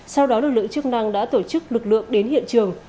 sau đó lực lượng chức năng đã tổ chức lực lượng đến hiện trường